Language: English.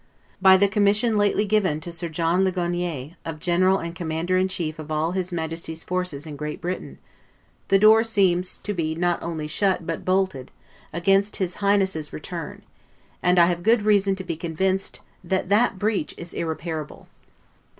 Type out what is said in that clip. By the commission lately given to Sir John Ligonier, of General and Commander in chief of all his Majesty's forces in Great Britain, the door seems to be not only shut, but bolted, against his Royal Highness's return; and I have good reason to be convinced that that breach is irreparable.